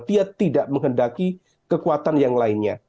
dia tidak menghendaki kekuatan yang lainnya